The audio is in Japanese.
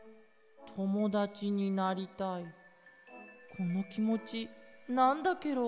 このきもちなんだケロ？